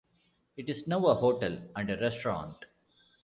It is now a hotel and a restaurant.